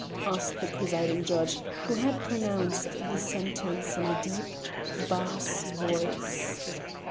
asked the presiding judge, who had pronounced the sentence in a deep, bass voice.